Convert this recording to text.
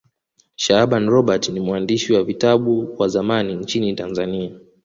shaaban robert ni mwandishi wa vitabu wa zamani nchini tanzania